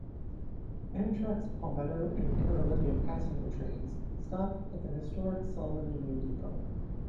Amtrak's Palmetto and Carolinian passenger trains stop at the historic Selma Union Depot.